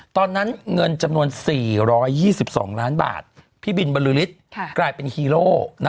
ตอนนั้นเงินจำนวน๔๒๒ล้านบาทพี่บินบริษฐ์กลายเป็นฮีโร่